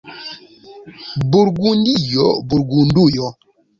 Burgundio, Burgundujo.